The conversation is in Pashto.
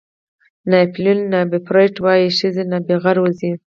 ناپلیون بناپارټ وایي ښځې نابغه روزي.